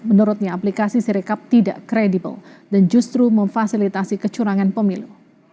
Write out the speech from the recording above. menurutnya aplikasi sirekap tidak kredibel dan justru memfasilitasi kecurangan pemilu